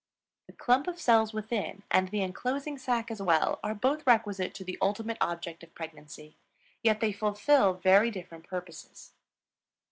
The clump of cells within and the inclosing sac as well are both requisite to the ultimate object of pregnancy; yet they fulfill very different purposes.